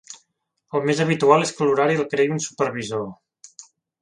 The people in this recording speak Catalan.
El més habitual és que l'horari el crei un supervisor.